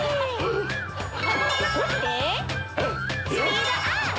スピードアップ！